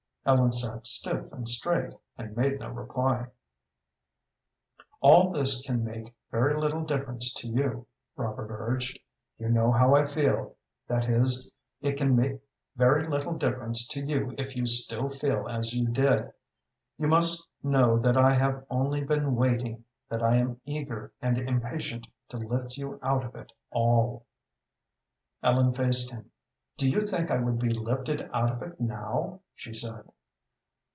Ellen sat stiff and straight, and made no reply. "All this can make very little difference to you," Robert urged. "You know how I feel. That is, it can make very little difference to you if you still feel as you did. You must know that I have only been waiting that I am eager and impatient to lift you out of it all." Ellen faced him. "Do you think I would be lifted out of it now?" she said.